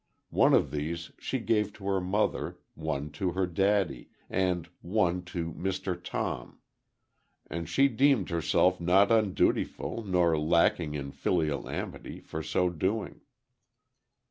One of these she gave to her mother; one to her daddy; and one to "Mr. Tom." And she deemed herself not undutiful, nor lacking in filial amity, for so doing.